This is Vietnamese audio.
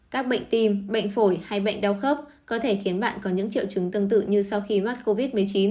các bệnh tim bệnh phổi hay bệnh đau khớp có thể khiến bạn có những triệu chứng tương tự như sau khi mắc covid một mươi chín